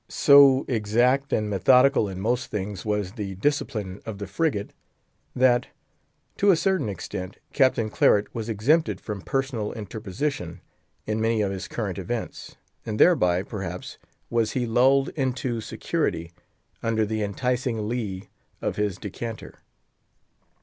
So exact and methodical in most things was the discipline of the frigate, that, to a certain extent, Captain Claret was exempted from personal interposition in many of its current events, and thereby, perhaps, was he lulled into security, under the enticing lee of his decanter.